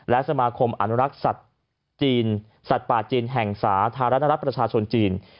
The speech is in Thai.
และสมาคมอนุรักษณ์สัตว์ป่าจีนแห่งสาธารักษณ์ประชาชนจีน